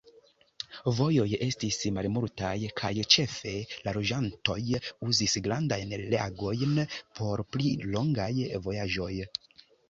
Vojoj estis malmultaj kaj ĉefe la loĝantoj uzis grandajn lagojn por pli longaj vojaĝoj.